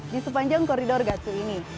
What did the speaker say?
di sepanjang koridor gatu ini